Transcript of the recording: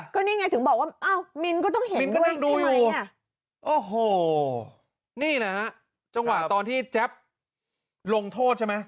ก็นี่ไงถึงบอกว่ามิ้นท์ก็ต้องเห็นด้วยนี่นะฮะจังหวะตอนที่แจ๊บลงโทษใช่ไหม